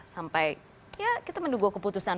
sampai ya kita menduga keputusan